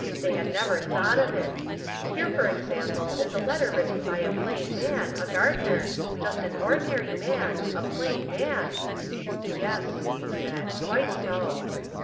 They had never thought of it! Here, for example, is a letter written by a plain man, a gardener, just an ordinary man, a plain man " "Yes," we said, "quite so."